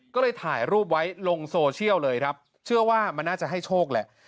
ก็เลยถ่ายรูปไว้ลงโซเชียลเลยครับเชื่อว่ามันน่าจะให้โชคแหละ